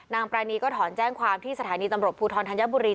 ปรานีก็ถอนแจ้งความที่สถานีตำรวจภูทรธัญบุรี